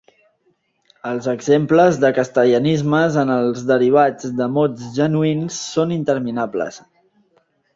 Els exemples de castellanismes en els derivats de mots genuïns són interminables.